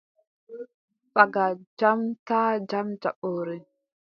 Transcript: Fagga jam taa jam jaɓore.